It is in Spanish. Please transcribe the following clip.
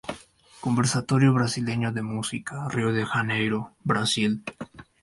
Conservatorio Brasileño de Música, Río de Janeiro, Brasil.